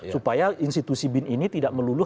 supaya institusi bin ini tidak melulu